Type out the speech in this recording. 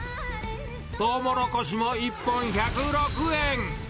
トウモロコシも１本１０６円。